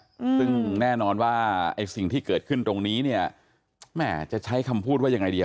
อืมซึ่งแน่นอนว่าไอ้สิ่งที่เกิดขึ้นตรงนี้เนี้ยแม่จะใช้คำพูดว่ายังไงดี